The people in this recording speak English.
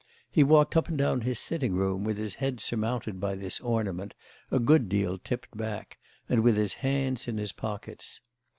He walked up and down his sitting room with his head surmounted by this ornament, a good deal tipped back, and with his hands in his pockets.